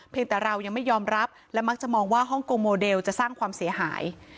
แต่เรายังไม่ยอมรับและมักจะมองว่าฮ่องกงโมเดลจะสร้างความเสียหาย